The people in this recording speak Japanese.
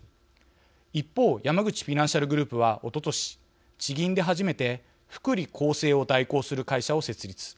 一方山口フィナンシャルグループはおととし、地銀で初めて福利厚生を代行する会社を設立。